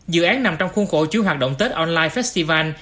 dự án nằm trong khuôn khổ chứa hoạt động tết online festival